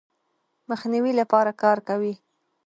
مخنیوي لپاره کار کوي.